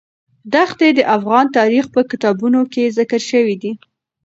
دښتې د افغان تاریخ په کتابونو کې ذکر شوی دي.